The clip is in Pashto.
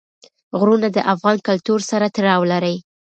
غرونه د افغان کلتور سره تړاو لري.